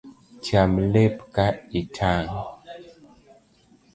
Cham lep ka itang’